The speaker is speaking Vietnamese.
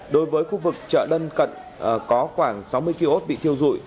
đối với khu vực chợ đân cận có khoảng sáu mươi ký ốt bị thiêu rụi